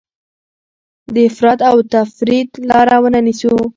د افراط او تفریط لاره ونه نیسو.